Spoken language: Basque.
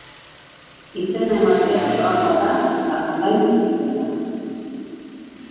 Izena ematea doakoa da eta online egiten da.